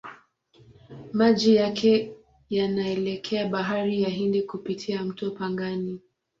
Maji yake yanaelekea Bahari ya Hindi kupitia mto Pangani.